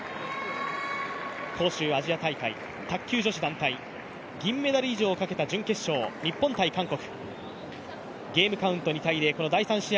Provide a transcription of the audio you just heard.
杭州アジア大会・卓球女子団体、銀メダル以上をかけた準決勝日本×韓国。